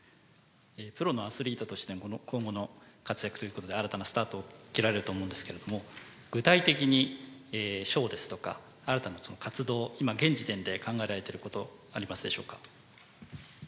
プロのアスリートとしての今後の活躍ということで、新たなスタートを切られると思うんですけれども、具体的にショーですとか、新たな活動、今、現時点で考えられていること、ありますでしょうか。